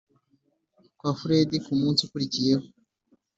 kwa furedi kumunsi ukurikiyeho.